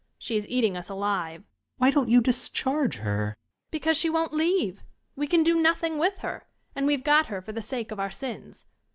She is eating us alive. Student. Why don't you discharge her? YoiTNG Lady. Because she won't leave. We can do noth ing with her, and we have got her for the'sake of our sins